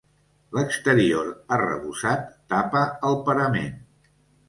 L'exterior arrebossat tapa el parament.